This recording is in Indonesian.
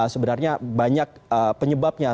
sebenarnya banyak penyebabnya